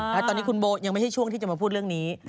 และตอนนี้คุณโบยังไม่ใช่ช่วงที่จะมาพูดเรื่องนี้